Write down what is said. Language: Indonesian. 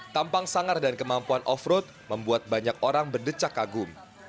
tampang sangar dan kemampuan off road membuat banyak orang berdecak kagum